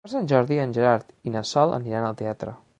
Per Sant Jordi en Gerard i na Sol aniran al teatre.